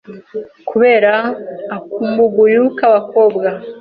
kubera akumbuguyu k’abakobwa,